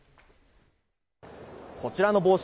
こちらの帽子